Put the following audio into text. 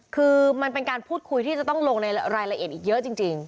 คือมันเป็นการพูดคุยที่จะต้องลงในรายละเอียดอีกเยอะจริง